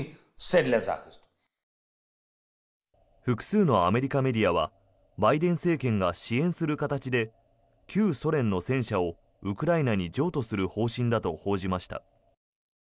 複数のアメリカメディアはバイデン政権が支援する形で旧ソ連の戦車をウクライナに譲渡する方針だと報じました。